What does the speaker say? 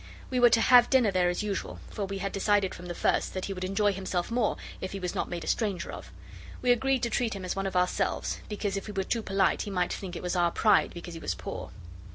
We were to have dinner there as usual, for we had decided from the first that he would enjoy himself more if he was not made a stranger of. We agreed to treat him as one of ourselves, because if we were too polite, he might think it was our pride because he was poor.